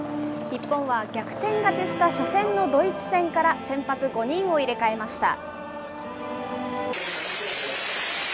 日本は逆転勝ちした初戦のドイツ戦から先発５人を入れ替えました。